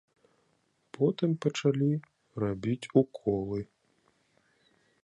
Потым пачалі рабіць уколы.